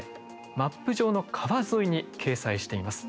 マップ上の川沿いに掲載しています。